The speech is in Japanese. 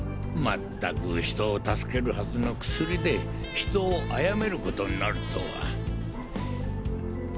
まったく人を助けるはずの薬で人を殺めることになるとは。